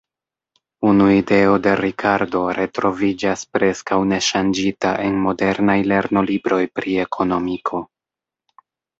Unu ideo de Ricardo retroviĝas preskaŭ neŝanĝita en modernaj lernolibroj pri ekonomiko.